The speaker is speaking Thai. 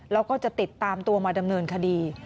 แล้วก็จะติดตามตัวมาดำเนินคดี